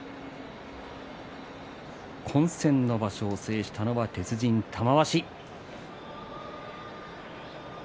混戦の場所を制したのは鉄人玉鷲。